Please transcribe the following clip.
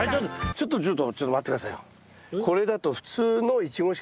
ちょっとちょっとちょっと待って下さいよ。